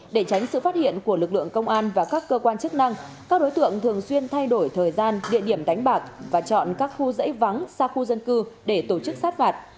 để tránh sự phát hiện của lực lượng công an và các cơ quan chức năng các đối tượng thường xuyên thay đổi thời gian địa điểm đánh bạc và chọn các khu dãy vắng xa khu dân cư để tổ chức sát phạt